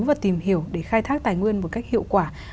và tìm hiểu để khai thác tài nguyên một cách hiệu quả